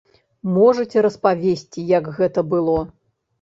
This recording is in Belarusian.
Можаце распавесці, як гэта было?